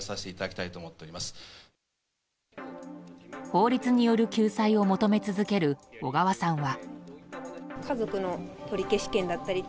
法律による救済を求め続ける小川さんは。